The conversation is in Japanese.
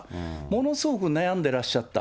ものすごく悩んでらっしゃった。